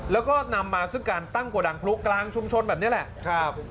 แล้วก็นำมาซึ่งการตั้งกระดังพลุกลางชุมชนแบบนี้แหละครับ